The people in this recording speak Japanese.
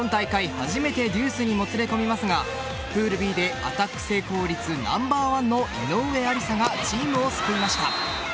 初めてデュースにもつれ込みますがプールＢでアタック成功率ナンバーワンの井上愛里沙がチームを救いました。